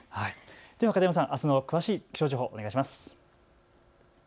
では片山さん、あすの詳しい気象情報、お願いします。